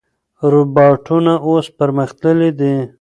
روباټونه اوس پرمختللي دي.